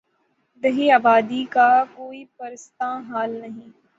دیہی آبادی کا کوئی پرسان حال نہیں۔